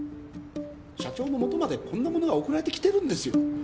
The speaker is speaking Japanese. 社長の元までこんなものが送られてきてるんですよ。